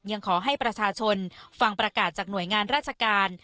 ยังขอให้ประชาชนฟังประกาศจากหน่วยงานราชการ